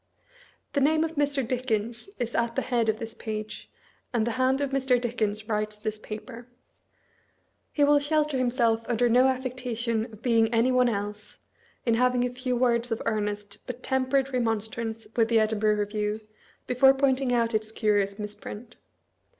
The name of lilr. Dickens is at the head of this page, and the hand of Mr. Dickens writes this paper. He will shel ter himself under no affectation of being any one else, in 278 MISPEINT IN THE EDINBURGH REVIEW. having a few words of earnest but temperate remonstrance with the EdMurgh Review, before pointing out its cuiious misprint.